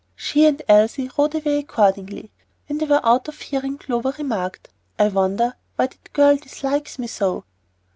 She and Elsie rode away accordingly. When they were out of hearing, Clover remarked, "I wonder why that girl dislikes me so."